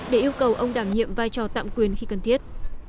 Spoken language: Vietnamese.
để yêu cầu ông đảm nhiệm vai trò tạm quyền khi cần thiết